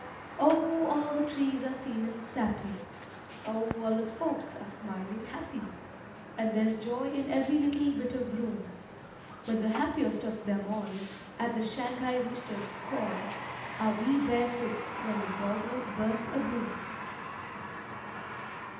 O, all the trees are seemin' sappy! O, all the folks are smilin' happy! And there's joy in every little bit of room; But the happiest of them all At the Shanghai rooster's call Are we barefoots when the dogwoods burst abloom!